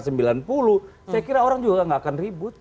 saya kira orang juga gak akan ribut